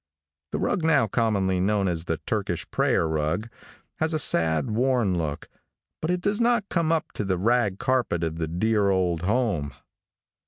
The rug now commonly known as the Turkish prayer rug, has a sad, worn look, but it does not come up to the rag carpet of the dear old home.